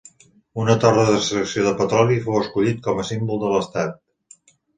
Una torre d'extracció de petroli fou escollit com a símbol de l'estat.